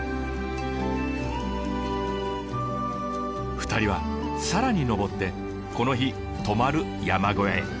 ２人は更に登ってこの日泊まる山小屋へ。